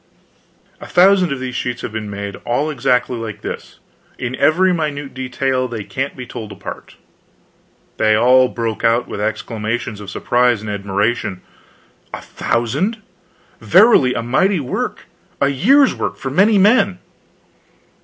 A thousand of these sheets have been made, all exactly like this, in every minute detail they can't be told apart." Then they all broke out with exclamations of surprise and admiration: "A thousand! Verily a mighty work a year's work for many men."